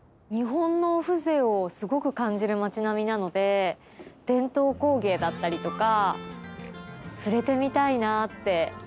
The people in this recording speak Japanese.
日本の風情をすごく感じる町並みなので伝統工芸だったりとか触れてみたいなって。